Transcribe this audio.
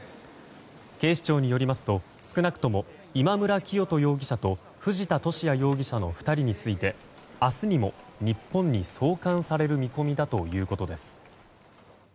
警視庁によりますと少なくとも今村磨人容疑者と藤田聖也容疑者の２人について明日にも日本に送還される見込みだということです。